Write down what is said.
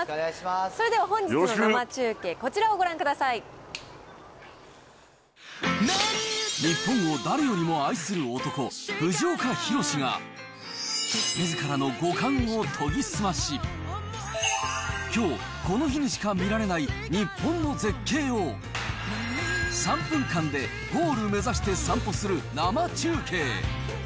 それでは本日生中継、日本を誰よりも愛する男、藤岡弘、が、みずからの五感を研ぎ澄まし、きょう、この日にしか見られない日本の絶景を、３分間でゴール目指して散歩する生中継。